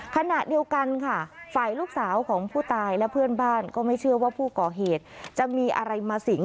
ขณะเดียวกันค่ะฝ่ายลูกสาวของผู้ตายและเพื่อนบ้านก็ไม่เชื่อว่าผู้ก่อเหตุจะมีอะไรมาสิง